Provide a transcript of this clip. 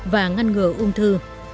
và ngăn ngừa ung thư